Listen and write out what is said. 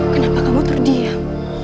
kenapa kamu terdiam